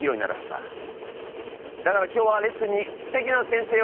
だから今日はレッスンにすてきな先生をお呼びした。